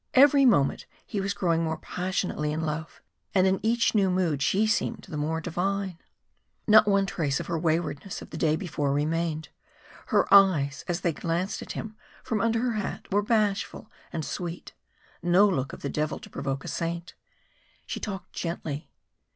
Every moment he was growing more passionately in love, and in each new mood she seemed the more divine. Not one trace of her waywardness of the day before remained. Her eyes, as they glanced at him from under her hat, were bashful and sweet, no look of the devil to provoke a saint. She talked gently.